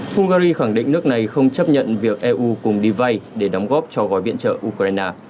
hungary khẳng định nước này không chấp nhận việc eu cùng đi vay để đóng góp cho gói viện trợ ukraine